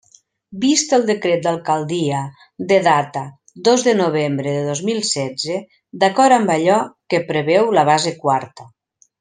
Vist el decret d'alcaldia de data dos de novembre de dos mil setze, d'acord amb allò que preveu la base quarta.